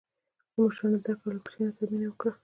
له مشرانو زده کړه او له کوچنیانو سره مینه وکړه.